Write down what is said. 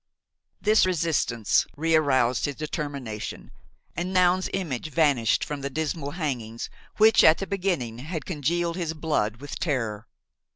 This resistance rearoused his determination and Noun's image vanished from the dismal hangings, which, at the beginning, had congealed his blood with terror.